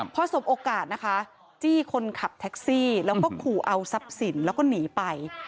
พอสมโอกาสนะคะจี้คนขับแท็กซี่แล้วก็ขู่เอาทรัพย์สินแล้วก็หนีไป